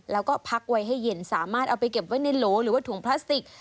แล้วก็พักไว้ให้เย็นสามารถเอาไปเก็บไว้ในโหลหรือว่าถุงพลาสติก